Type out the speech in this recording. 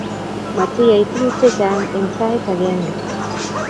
Matiyay tukuk chechang eng sait agenge